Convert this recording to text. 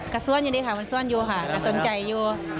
ซ่วนอยู่ดีค่ะมันซ่วนอยู่ค่ะก็สนใจอยู่